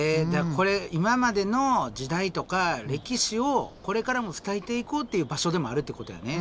これ今までの時代とか歴史をこれからも伝えていこうっていう場所でもあるってことやね